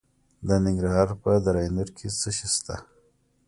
د ننګرهار په دره نور کې څه شی شته؟